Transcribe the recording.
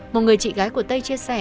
một người chị gái của tây chia sẻ